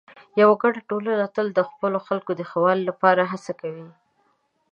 یوه ګډه ټولنه تل د خپلو خلکو د ښه والي لپاره هڅه کوي.